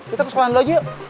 kita ke sekolah dulu aja yuk